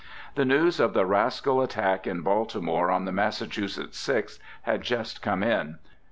The news of the rascal attack in Baltimore on the Massachusetts Sixth had just come in.